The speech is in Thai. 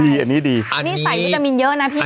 อันนี้ดีอันนี้ใส่วิตามินเยอะนะพี่